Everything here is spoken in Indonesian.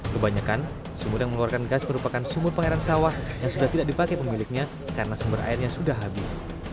kebanyakan sumur yang mengeluarkan gas merupakan sumur pengairan sawah yang sudah tidak dipakai pemiliknya karena sumber airnya sudah habis